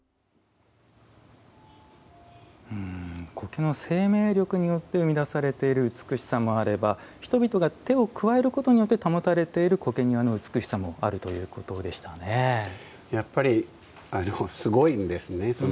苔の生命力によって生み出されている美しさもあれば人々が手を加えることによって保たれている苔庭の美しさもあるやっぱりすごいんですね。